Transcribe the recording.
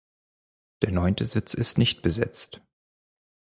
Der neunte Sitz ist nicht besetzt.